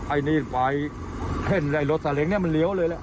ไอ้นี่ไฟเห็นไอ้รถสาเล้งเนี่ยมันเลี้ยวเลยแหละ